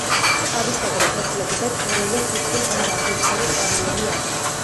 ტყავისებრი ფოთლები და წვრილი, თეთრი ან ვარდისფერი ყვავილები აქვთ.